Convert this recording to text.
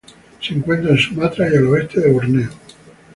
Se encuentra en Sumatra y al oeste de Borneo.